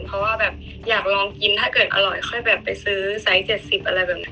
เพราะว่าแบบอยากลองกินถ้าเกิดอร่อยค่อยแบบไปซื้อไซส์๗๐อะไรแบบนี้